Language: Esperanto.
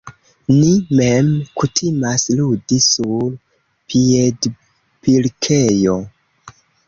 Ni mem kutimas ludi sur piedpilkejo...